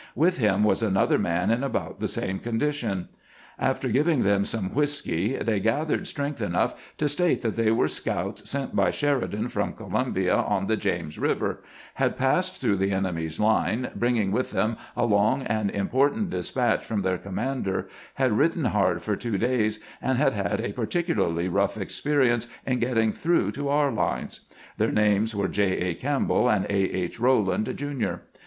With him was another man in about the same condition. After giving them some whisky they gathered strength enough to state that they were scouts sent by Sheridan AKEIVAL OF SHEBIDAN'S SCOUTS 397 from Columbia on tlie James River, had passed through the enemy's lines, bringing with them a long and im portant despatch from their commander, had ridden hard for two days, and had had a particularly rough experience in getting through to our lines. Their names were J. A. Campbell and A. H. Eowand, Jr.